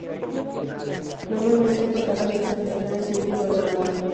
Normalmente es tocada en las presentaciones en vivo de la banda.